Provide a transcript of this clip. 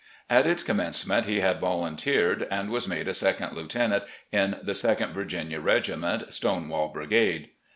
At its commencement he had volunteered, and was made a 2d lieutenant in the Second Virginia regiment, *' Stonewall Brigade.